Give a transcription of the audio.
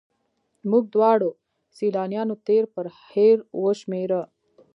موږ دواړو سیلانیانو تېر پر هېر وشمېره.